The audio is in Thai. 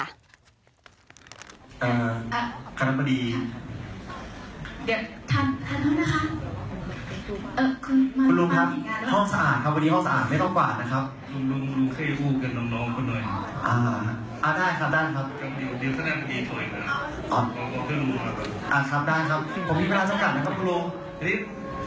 อ่าครับได้ครับผมมีเวลาสำคัญนะครับคุณลูก